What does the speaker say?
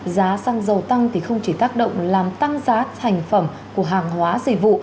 giá xăng dầu tăng thì không chỉ tác động làm tăng giá thành phẩm của hàng hóa dịch vụ